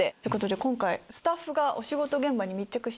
今回スタッフがお仕事現場に密着。